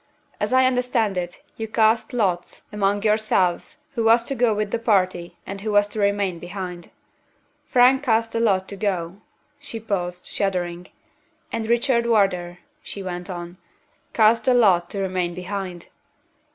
As I understand it, you cast lots among yourselves who was to go with the party, and who was to remain behind. Frank cast the lot to go." She paused, shuddering. "And Richard Wardour," she went on, "cast the lot to remain behind.